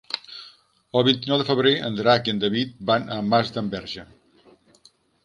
El vint-i-nou de febrer en Drac i en David van a Masdenverge.